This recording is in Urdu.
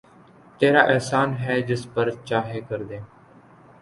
تیرا احسان ہے جس پر چاہے کردے